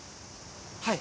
はい。